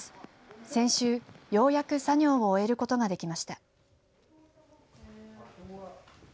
先週、ようやく作業を終えることができました。